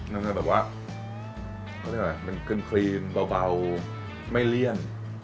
นั่นคือแบบวะเคินคลีมเบาไม่เลี่ยน